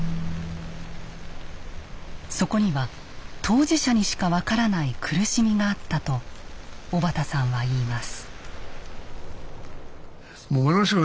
そこには当事者にしか分からない苦しみがあったと小畑さんは言います。